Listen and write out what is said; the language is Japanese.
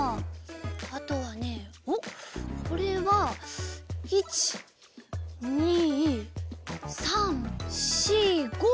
あとはねおっこれは１２３４５。